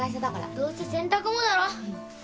どうせ洗濯もだろ？